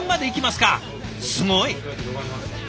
すごい。